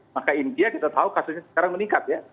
maka india kita tahu kasusnya sekarang meningkat ya